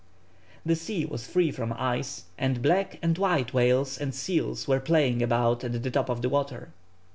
The sea was free from ice, and black and white whales and seals were playing about at the top of the water.